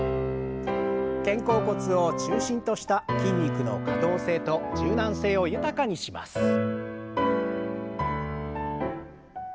肩甲骨を中心とした筋肉の可動性と柔軟性を豊かにします。